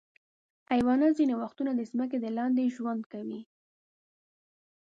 حیوانات ځینې وختونه د ځمکې لاندې ژوند کوي.